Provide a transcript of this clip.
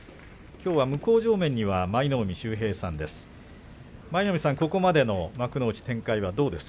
きょうは向正面舞の海秀平さんです。